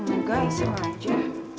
enggak iseng aja